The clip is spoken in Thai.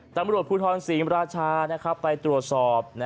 ตำรวจผู้ทอล๔พระราชาต์ไปตรวจสอบ